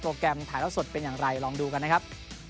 แกรมถ่ายแล้วสดเป็นอย่างไรลองดูกันนะครับ